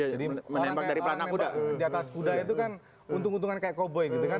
jadi orang yang menembak di atas kuda itu kan untung untungan kayak koboi gitu kan